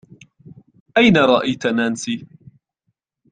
أين رأيت نانسي ؟